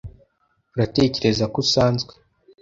Uratekereza ko usanzwe?